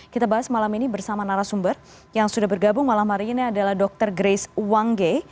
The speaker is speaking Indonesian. kita bahas malam ini bersama narasumber yang sudah bergabung malam hari ini adalah dr grace wangge